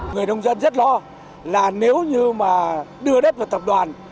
người nông dân rất lo là nếu như mà đưa đất vào tập đoàn